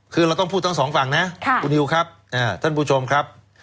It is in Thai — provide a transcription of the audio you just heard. คือเราต้องพูดทั้งสองฝั่งนะคุณนิวครับท่านผู้ชมครับ